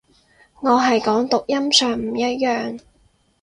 我係講讀音上唔一樣